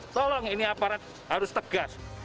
tolong ini aparat harus tegas